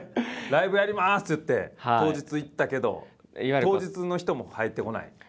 「ライブやります」って言って当日行ったけど当日の人も入ってこない？